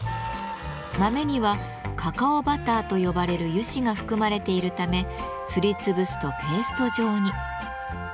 豆には「カカオバター」と呼ばれる油脂が含まれているためすりつぶすとペースト状に。